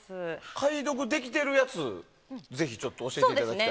解読できてるやつ、ぜひちょっと教えていただきたい。